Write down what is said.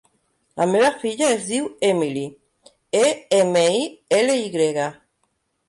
La meva filla es diu Emily: e, ema, i, ela, i grega.